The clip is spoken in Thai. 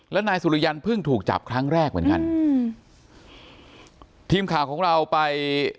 แล้วนายสุริยันเพิ่งถูกจับครั้งแรกเหมือนกันอืมทีมข่าวของเราไป